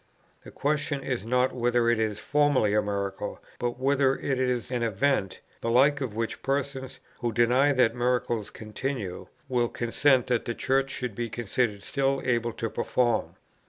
The question is not whether it is formally a miracle, but whether it is an event, the like of which persons, who deny that miracles continue, will consent that the Church should be considered still able to perform.